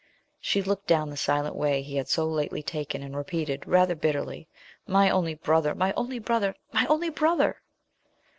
She looked down the silent way he had so lately taken, and repeated, rather bitterly, 'My only brother! my only brother! my only brother!'